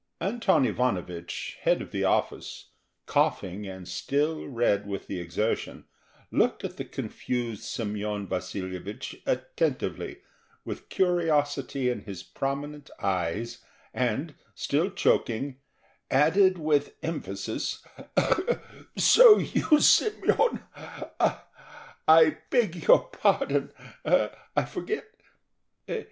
Anton Ivanovich, head of the office, coughing and still red with the exertion, looked at the confused Semyon Vasilyevich attentively, with curiosity in his prominent eyes, and still choking, asked with emphasis: "So you, Semyon, ah!—I beg your pardon, I forget."